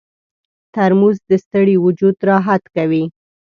ترموز د ستړي وجود راحت کوي.